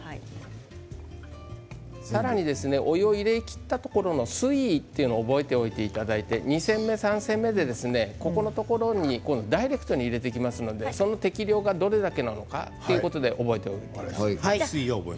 さらに、お湯を入れたところの水位を覚えておいていただいて２煎目３煎目で、ここのところにダイレクトに入れていきますのでその適量がどれだけなのかということで覚えておいてください。